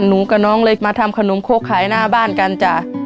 หนูกับน้องเลยมาทำขนมโค้กขายหน้าบ้านกันจ้ะ